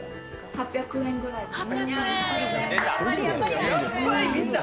８００円ぐらいです。